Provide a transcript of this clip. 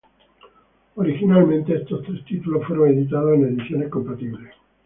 Originalmente estos tres títulos fueron editados en ediciones compatibles.